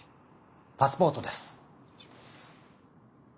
パスポートです。